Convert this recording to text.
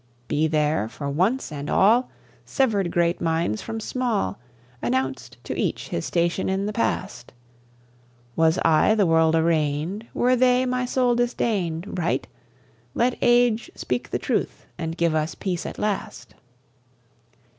Be there, for once and all, Sever'd great minds from small, Announced to each his station in the Past! Was I, the world arraigned, Were they, my soul disdain'd, Right? Let age speak the truth and give us peace at last!